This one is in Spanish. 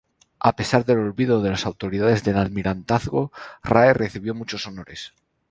A pesar del olvido de las autoridades del Almirantazgo, Rae recibió muchos honores.